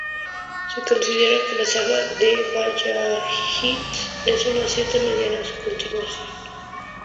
Se considera que la "Saga de Valla-Ljóts "es en cierta medida su continuación.